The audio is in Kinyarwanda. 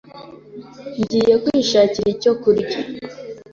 Ngiye kwishakira icyo kurya.